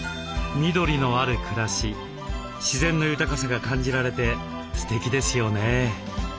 緑のある暮らし自然の豊かさが感じられてすてきですよね。